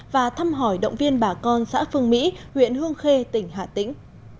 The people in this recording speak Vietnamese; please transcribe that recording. và thăm hỏi động viên bà con xã phương mỹ huyện hương khê tỉnh hà tĩnh